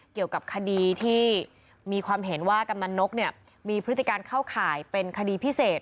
เกี่ยวกับคดีที่มีความเห็นว่ากำนันนกมีพฤติการเข้าข่ายเป็นคดีพิเศษ